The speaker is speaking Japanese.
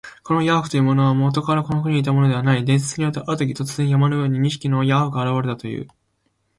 このヤーフというものは、もとからこの国にいたものではない。伝説によると、あるとき、突然、山の上に二匹のヤーフが現れたという。